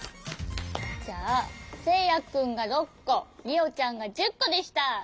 じゃあせいやくんが６こりおちゃんが１０こでした！